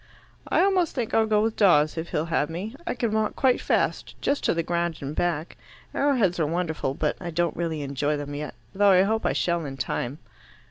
"I almost think I'll go with Dawes, if he'll have me. I can walk quite fast just to the ground and back. Arrowheads are wonderful, but I don't really enjoy them yet, though I hope I shall in time."